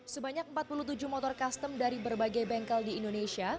sebanyak empat puluh tujuh motor custom dari berbagai bengkel di indonesia